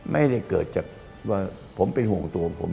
ไม่ได้เกิดจากว่าผมเป็นห่วงตัวผม